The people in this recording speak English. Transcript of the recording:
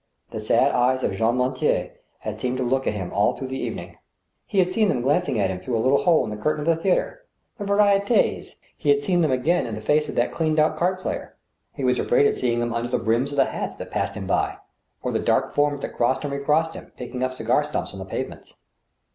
The sad eyes of Jean Mortier had seemed to look at him all through that evening. He had seen them glancing at him through a little hole in the curtain at the theatre — ^the Vari^t^s ; he 3 34 THE STEEL HAMMER. had seen them again in the face of that " cleaned out " card player ; he was afraid of seeing them under the brims of the hats that passed him by, or the dark forms that crossed and recrossed him, picking up cigar stumps on the pavements.